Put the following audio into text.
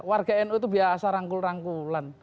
warga nu itu biasa rangkul rangkulan